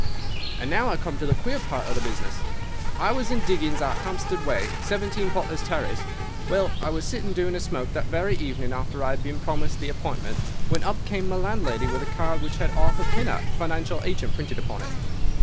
"And now I come to the queer part of the business. I was in diggings out Hampstead way—17, Potter's Terrace. Well, I was sitting doing a smoke that very evening after I had been promised the appointment, when up came my landlady with a card which had 'Arthur Pinner, Financial Agent,' printed upon it.